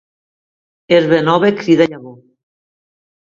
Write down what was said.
Herba nova crida llavor.